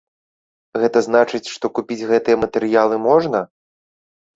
Гэта значыць, што купіць гэтыя матэрыялы можна?